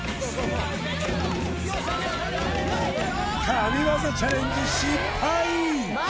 神業チャレンジ失敗！